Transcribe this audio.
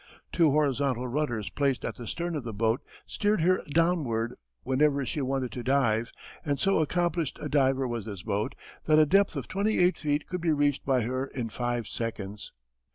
Two horizontal rudders placed at the stern of the boat steered her downward whenever she wanted to dive and so accomplished a diver was this boat that a depth of twenty eight feet could be reached by her in five seconds.